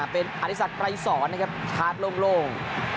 เป็นอธิสักไกรสอนนะครับชาร์จโล่ง